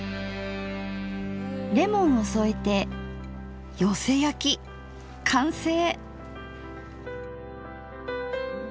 レモンを添えてよせ焼き完成！